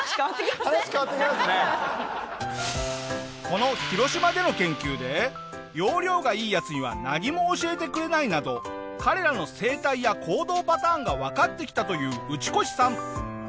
この広島での研究で要領がいいヤツには何も教えてくれないなど彼らの生態や行動パターンがわかってきたというウチコシさん。